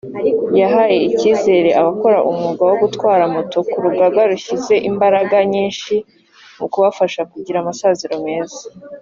yahaye icyizere abakora umwuga wo gutwara moto ko Urugaga rushyize imbaraga nyinshi mu kubfasha kugira amasaziro meza